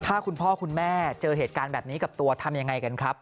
ถ้าคุณพ่อคุณแม่เจอเหตุการณ์แบบนี้กับตัวทำยังไงกันครับ